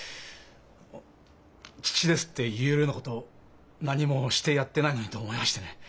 あの「父です」って言えるようなこと何もしてやってないのにと思いましてね。